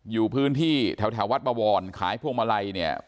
อยู่พื้นที่แถววัดบวรขายพวงมาลัยเนี่ย